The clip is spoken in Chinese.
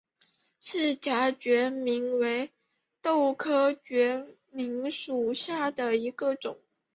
翅荚决明为豆科决明属下的一个种。